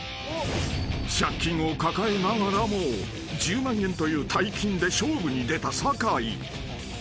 ［借金を抱えながらも１０万円という大金で勝負に出た酒井］